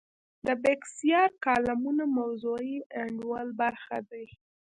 د بېکسیار کالمونه موضوعي انډول برخه دي.